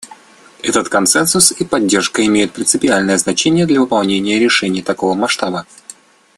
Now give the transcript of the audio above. Этот консенсус и поддержка имеют принципиальное значение для выполнения решения такого масштаба.